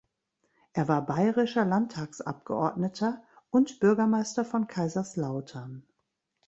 Er war bayerischer Landtagsabgeordneter und Bürgermeister von Kaiserslautern.